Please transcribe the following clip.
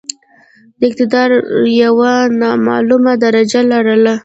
د اقتدار یو نامعموله درجه لرله.